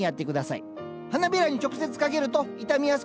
花びらに直接かけると傷みやすくなるんです。